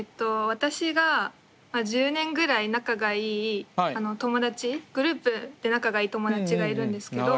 私が１０年ぐらい仲がいい友達グループで仲がいい友達がいるんですけど。